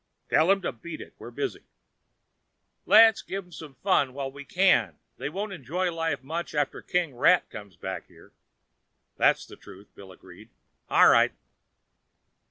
"Tell them to beat it. We're busy." "Let's give them some fun while we can. They won't enjoy life much after King Rat gets back here." "That's the truth," Bill agreed. "All right."